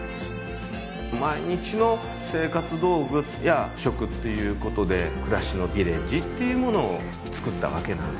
毎日の生活道具や食っていうことでくらしのｖｉｌｌａｇｅというものをつくったわけなんですよ